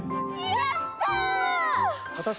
やった！